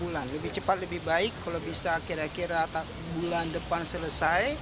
lebih cepat lebih baik kalau bisa kira kira bulan depan selesai